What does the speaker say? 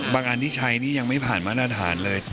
อันที่ใช้นี่ยังไม่ผ่านมาตรฐานเลย